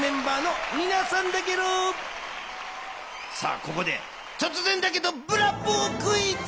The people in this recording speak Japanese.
さあここでとつぜんだけどブラボークイズ！